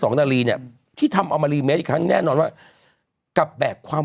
นาลีเนี่ยที่ทำเอามารีเมสอีกครั้งแน่นอนว่ากับแบบความ